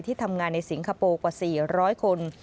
ทำงานในสิงคโปร์กว่า๔๐๐คน